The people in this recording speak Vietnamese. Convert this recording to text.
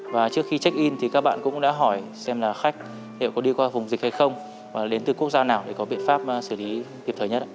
và trước khi check in thì các bạn cũng đã hỏi xem là khách liệu có đi qua vùng dịch hay không và đến từ quốc gia nào để có biện pháp xử lý kịp thời nhất